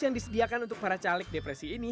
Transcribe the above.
yang disediakan untuk para caleg depresi ini